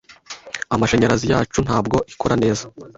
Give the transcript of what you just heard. Imashanyarazi yacu ntabwo ikora neza.